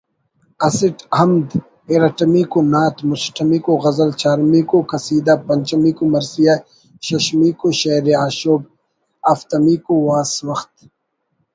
اسٹ حمد، ارٹمیکو نعت، مسٹمیکو غزل، چارمیکو قصیدہ، پنچمیکو مرثیہ، ششمیکو شہر آشوب، ہفتمیکو واسوخت